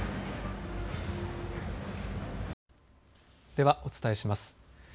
ではお伝えします。